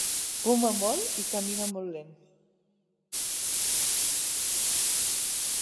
Fuma molt i camina molt lent.